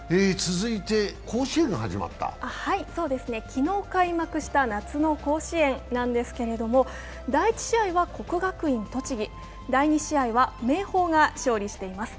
昨日、開幕した夏の甲子園なんですけれども、第１試合は国学院栃木、第２試合は明豊が勝利しています。